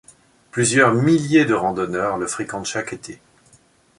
Plusieurs milliers de randonneurs le fréquentent chaque été.